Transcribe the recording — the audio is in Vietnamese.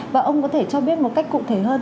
và ông có thể cho biết một cách cụ thể hơn